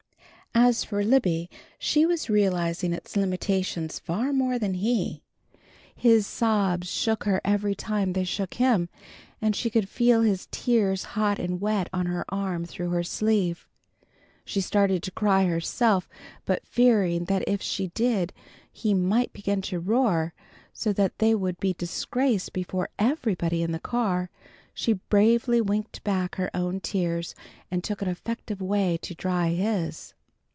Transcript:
As for Libby she was realizing its limitations far more than he. His sobs shook her every time they shook him, and she could feel his tears, hot and wet on her arm through her sleeve. She started to cry herself, but fearing that if she did he might begin to roar so that they would be disgraced before everybody in the car, she bravely winked back her own tears and took an effective way to dry his.